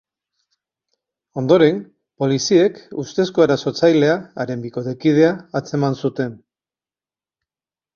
Ondoren, poliziek ustezko erasotzailea, haren bikotekidea, atzeman zuten.